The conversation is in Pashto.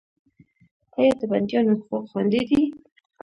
آیا د بندیانو حقوق خوندي دي؟